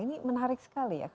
ini menarik sekali ya